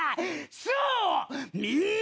そう！